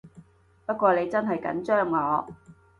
不過你真係緊張我